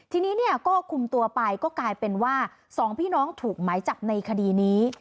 ทีนี้เนี่ยก็คุมตัวไปก็กลายเป็นว่าสองพี่น้องถูกหมายจับในคดีนี้